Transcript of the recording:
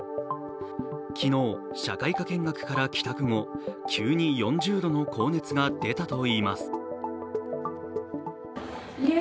昨日、社会科見学から帰宅後、急に４０度の高熱が出たといいます。